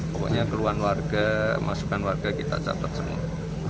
pokoknya keluhan warga masukan warga kita catat semua